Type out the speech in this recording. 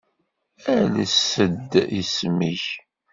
Ales-d isem-ik.